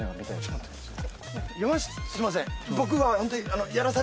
すいません